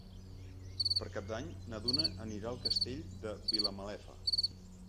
Per Cap d'Any na Duna anirà al Castell de Vilamalefa.